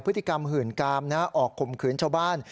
พฤติกรรมหื่นกามออกข่มขืนชาวบ้าน